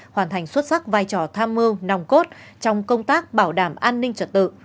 hoàn thành xuất sắc vai trò tham mưu nòng cốt trong công tác bảo đảm an ninh trật tự